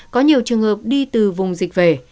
có nhiều trường hợp đi từ vùng dịch về